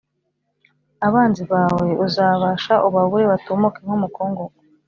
abanzi bawe uzabasha ubabure batumuke nk’umukungugu